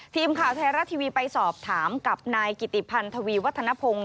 ทีมข่าวไทยรัฐทีวีไปสอบถามกับนายกิติพันธวีวัฒนภง